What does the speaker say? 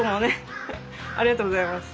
ありがとうございます。